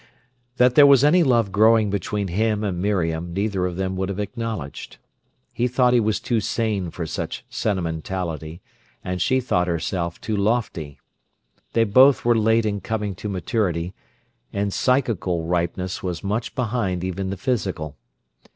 That there was any love growing between him and Miriam neither of them would have acknowledged. He thought he was too sane for such sentimentality, and she thought herself too lofty. They both were late in coming to maturity, and psychical ripeness was much behind even the physical.